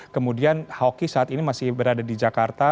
kemudian hawki saat ini masih berada di jakarta